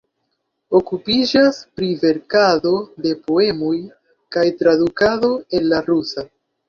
Okupiĝas pri verkado de poemoj kaj tradukado el la rusa.